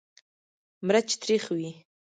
مرچ تریخ وي.